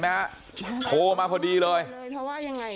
บอกแล้วบอกแล้วบอกแล้ว